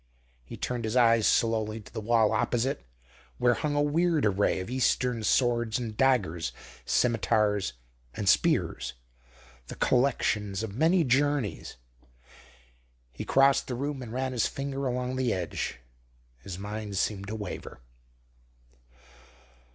He turned his eyes slowly to the wall opposite, where hung a weird array of Eastern swords and daggers, scimitars and spears, the collections of many journeys. He crossed the room and ran his finger along the edge. His mind seemed to waver.